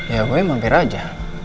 ya gue mampir aja